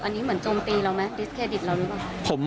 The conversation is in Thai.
อันนี้เหมือนโจมตีเราไหมแคดิ็ตเรารู้ป่ะ